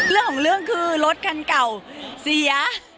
เรื่องของเรื่องคือรถคันเก่าเสีย